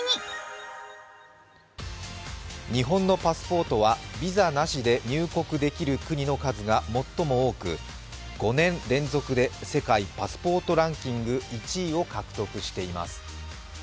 日本のパスポートはビザなしで入国できる国の数が最も多く５年連続で世界パスポートランキング１位を獲得しています。